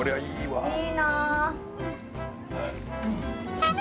いいな。